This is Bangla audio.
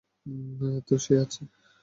তো সে আছে?